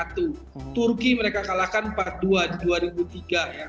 turki mereka kalahkan empat dua di dua ribu tiga